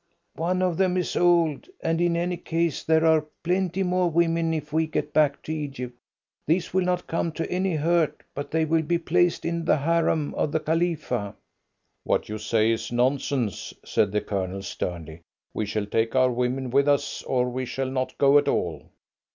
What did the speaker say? "One of them is old, and in any case there are plenty more women if we get back to Egypt. These will not come to any hurt, but they will be placed in the harem of the Khalifa." "What you say is nonsense," said the Colonel sternly. "We shall take our women with us, or we shall not go at all."